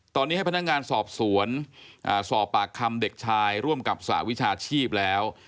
ตอนนี้ให้พนักงานสอบสวนสอบปากคำเด็กชายร่วมกับสหวิชาชีพแล้ว